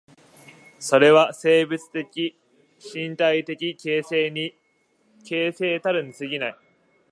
それは生物的身体的形成たるに過ぎない。